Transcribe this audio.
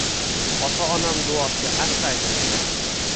Ota-onam duosi asraydi meni